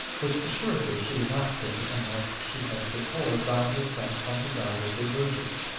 "3 Which assuredly she would not say, unless she had before vowed herself unto God as a virgin.